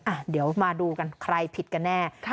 อ่ะเดี๋ยวมาดูกันใครผิดกันแน่